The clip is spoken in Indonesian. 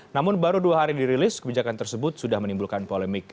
namun baru dua hari dirilis kebijakan tersebut sudah menimbulkan polemik